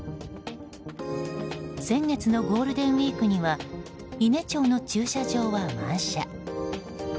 先月のゴールデンウィークには伊根町の駐車場は満車。